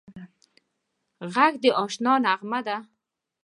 غږ د اشنا نغمه ده